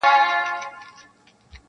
• موږ ته ورکي لاري را آسانه کړي -